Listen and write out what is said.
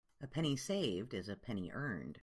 A penny saved is a penny earned.